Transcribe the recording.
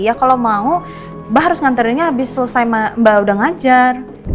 ya kalau mau mbak harus nganterinnya habis selesai mbak udah ngajar